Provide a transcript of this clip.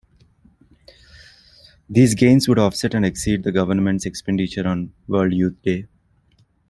These gains would offset and exceed the government's expenditure on World Youth Day.